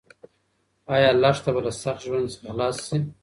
ایا لښته به له سخت ژوند څخه خلاص شي؟